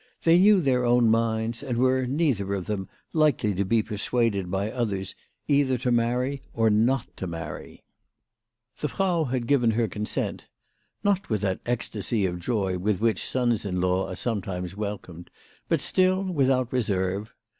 They knew their own minds, and were, neither of them, likely to be persuaded by others either to marry or not to marry. The Frau had * given her consent, not with that ecstacy of joy with which sons in law are some 32 WHY FRAU FROHMANN RAISED HER PRICES. times welcomed, but still without reserve.